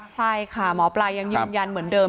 ใช่ค่ะหมอปลายังยืนยันเหมือนเดิม